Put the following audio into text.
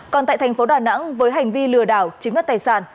còn tại thành phố đà nẵng với hành vi lừa đảo chứng nhận tài sản